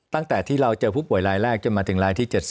ตั้งแต่ที่เราเจอผู้ป่วยรายแรกจนมาถึงรายที่๗๐